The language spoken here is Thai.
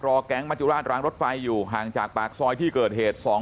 แก๊งมัจจุราชร้างรถไฟอยู่ห่างจากปากซอยที่เกิดเหตุ